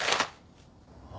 あ。